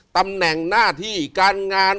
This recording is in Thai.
ตำแหน่งหน้าที่การงาน